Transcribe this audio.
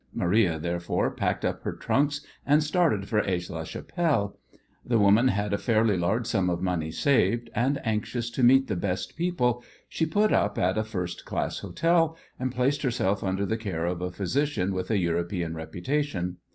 Maria, therefore, packed up her trunks, and started for Aix la Chapelle. The woman had a fairly large sum of money saved, and, anxious to meet the best people, she put up at a first class hotel, and placed herself under the care of a physician with a European reputation.